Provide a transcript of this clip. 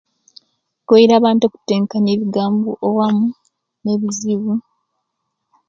Kuweire abantu okutenkanya ebigambo owamu ne bizibu